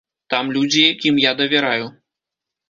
Там людзі, якім я давяраю.